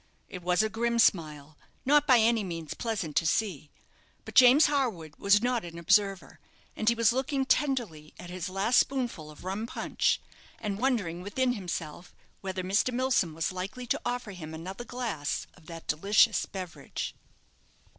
It was a grim smile, not by any means pleasant to see; but James Harwood was not an observer, and he was looking tenderly at his last spoonful of rum punch, and wondering within himself whether Mr. Milsom was likely to offer him another glass of that delicious beverage.